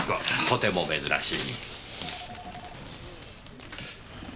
とても珍しい。